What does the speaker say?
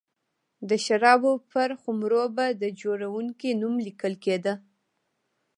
د شرابو پر خُمر و به د جوړوونکي نوم لیکل کېده